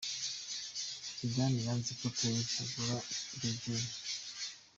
Zidane yanze ko Perez agura De Gea .